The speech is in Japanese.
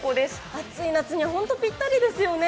暑い夏には本当にぴったりですね。